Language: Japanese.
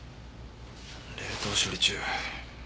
冷凍処理中。